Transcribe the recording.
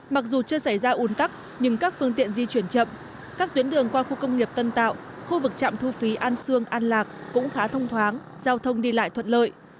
mặc dù chưa xảy ra un tắc nhưng các phương tiện di chuyển chậm các tuyến đường qua khu công nghiệp tân tạo khu vực trạm thu phí an sương an lạc cũng khá thông thoáng giao thông đi lại thuận lợi